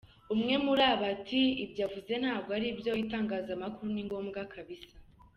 Umwe muri bo ati “Ibyo aba avuze ntabwo aribyo itangazamakuru ni ngombwa kabisa.